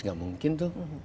gak mungkin tuh